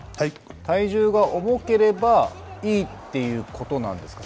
体重が重ければいいということなんですか。